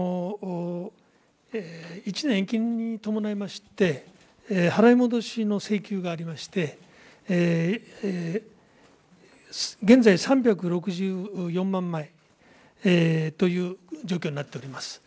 １年延期に伴いまして、払い戻しの請求がありまして、現在３６４万枚という状況になっております。